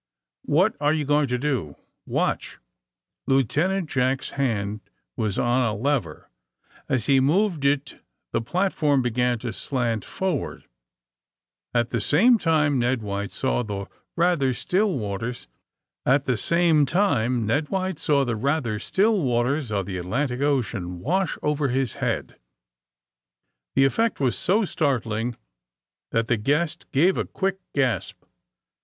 ^^What are yon going to do?" *^ Watch!" Lieutenant Jack's hand was on a lever. As he moved it the platform began to slant for ward. At the same time Ned White saw the rather still waters of the Atlantic Ocean wash over his head. The effect was so startling that the guest gave a quick gasp.